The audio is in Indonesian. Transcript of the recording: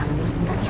yang ini soma ya